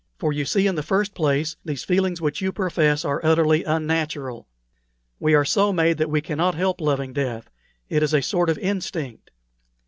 For you see, in the first place, these feelings which you profess are utterly unnatural. We are so made that we cannot help loving death; it is a sort of instinct.